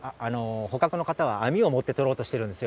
捕獲の方は、網を持ってとろうとしてるんですよ。